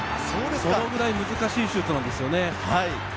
そのくらい難しいシュートなんですよね。